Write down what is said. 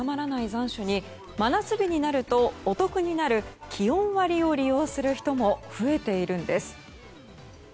残暑に真夏日になるとお得になる気温割を利用する人も増えているんです。